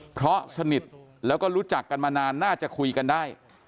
เพราะสนิทแล้วก็รู้จักกันมานานน่าจะคุยกันได้